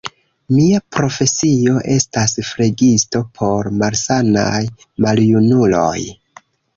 Mia profesio estas flegisto por malsanaj maljunuloj.